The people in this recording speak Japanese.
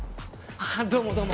あどうもどうも。